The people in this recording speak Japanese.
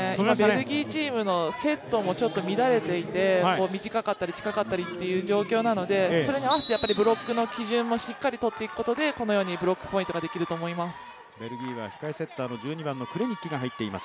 ベルギーチームのセットも乱れていて短かったり、近かったりという状況なので、それに合わせてブロックの基準もしっかりとっていくことでこのようにブロックポイントができると思います。